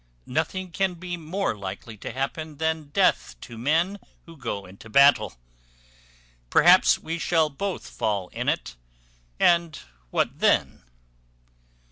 Nothing can be more likely to happen than death to men who go into battle. Perhaps we shall both fall in it and what then?"